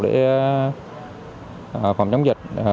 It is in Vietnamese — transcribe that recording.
để phòng chống dịch